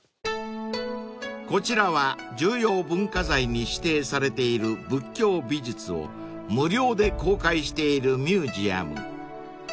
［こちらは重要文化財に指定されている仏教美術を無料で公開しているミュージアム］